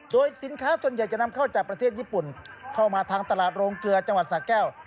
โดยสินค้าส่วนใหญ่จะนำเข้าจากประเทศญี่ปุ่นเข้ามาทางตลาดโรงเกลือจังหวัดสะแก้ว